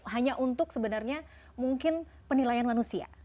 hanya untuk sebenarnya mungkin penilaian manusia